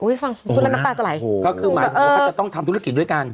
ฟังพูดแล้วน้ำตาจะไหลโหก็คือหมายถึงว่าเขาจะต้องทำธุรกิจด้วยกัน